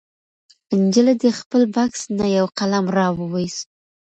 نجلۍ د خپل بکس نه یو قلم راوویست.